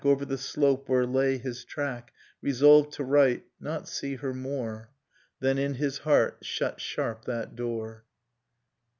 Over the slope where lay his track, Resolved to write, — not see her more; Then, in his heart, shut sharp that door.